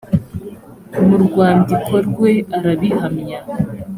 mu rwandiko rwe arabihamya